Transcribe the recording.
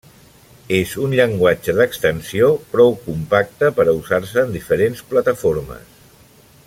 És un llenguatge d'extensió, prou compacte per a usar-se en diferents plataformes.